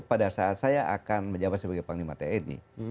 pada saat saya akan menjabat sebagai panglima te ini